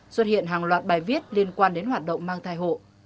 xuất hiện hàng loạt bài viết liên quan đến hoạt động mang thai hộ